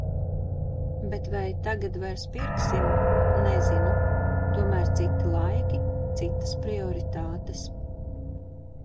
Bet vai tagad vairs pirksim, nezinu. Tomēr citi laiki, citas prioritātes.